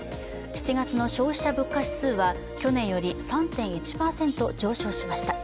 ７月の消費者物価指数は去年より３．１％上昇しました。